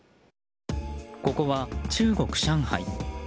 ここは中国・上海。